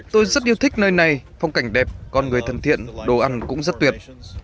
tôi rất yêu thích nơi này phong cảnh đẹp con người thân thiện đồ ăn cũng rất tuyệt